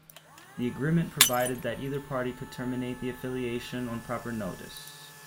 The agreement provided that either party could terminate the affiliation on proper notice.